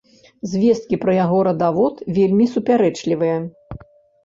Звесткі пра яго радавод вельмі супярэчлівыя.